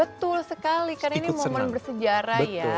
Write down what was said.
betul sekali karena ini momen bersejarah ya